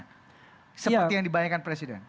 seperti yang dibayangkan presiden